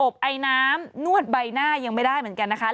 ไอน้ำนวดใบหน้ายังไม่ได้เหมือนกันนะคะ